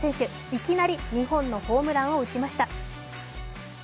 いきなり２本のホームランを打ちました。